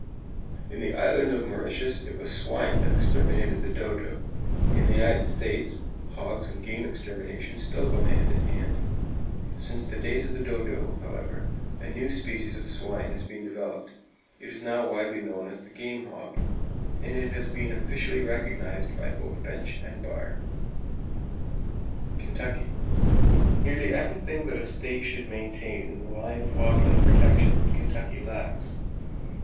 In the Island of Mauritius, it was swine that exterminated the dodo. In the United States, hogs and game extermination still go hand in hand. Since the days of the dodo, however, a new species of swine has been developed. It is now widely known as the "game hog," and it has been officially recognized by both bench and bar. Kentucky: [Page 282] Nearly everything that a state should maintain in the line of wild life protection Kentucky lacks!